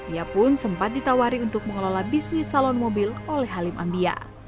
ia pun sempat ditawari untuk mengelola bisnis salon mobil oleh halim ambia